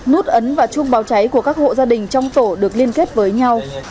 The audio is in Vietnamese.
nút ấn và chuông báo cháy của các hộ gia đình trong tổ được liên kết với nhau